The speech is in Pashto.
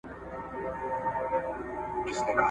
موږ د خپل مطرب په وار یو ګوندي راسي !.